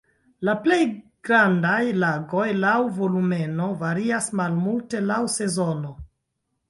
La plej grandaj lagoj laŭ volumeno varias malmulte laŭ sezono.